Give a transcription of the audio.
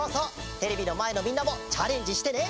テレビのまえのみんなもチャレンジしてね！